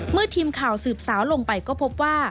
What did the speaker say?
เมื่อทีมข่าวสืบสาวลงไปก็พบว่า